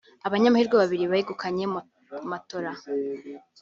abanyamahirwe babiri begukanye matola